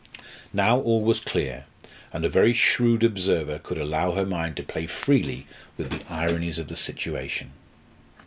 Now all was clear, and a very shrewd observer could allow her mind to play freely with the ironies of the situation.